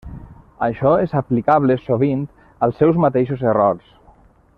Això és aplicable sovint als seus mateixos errors.